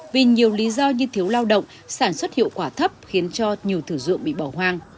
vì nhiều lý do như thiếu lao động sản xuất hiệu quả thấp khiến cho nhiều thử dụng bị bỏ hoang